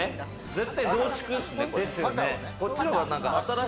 絶対増築ですよね。